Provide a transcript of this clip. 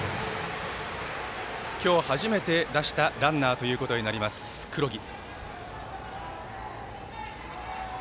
今日初めて出したランナーということになります、黒木。